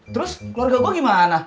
terus keluarga gua gimana